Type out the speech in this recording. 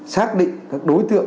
xác định các đối tượng